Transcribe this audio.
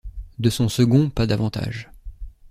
De son second, pas davantage.